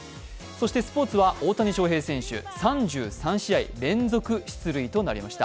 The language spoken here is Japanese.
スポーツは大谷翔平選手３３試合連続出塁となりました。